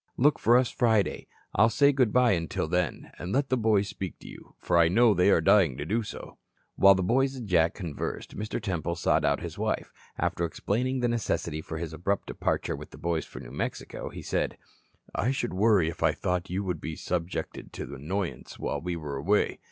Look for us Friday. I'll say good bye until then, and let the boys speak to you, for I know they are dying to do so." While the boys and Jack conversed, Mr. Temple sought out his wife. After explaining the necessity for his abrupt departure with the boys for New Mexico, he said: "I should worry if I thought you would be subjected to annoyances while we were away.